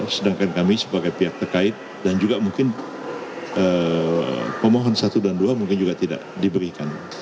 sedangkan kami sebagai pihak terkait dan juga mungkin pemohon satu dan dua mungkin juga tidak diberikan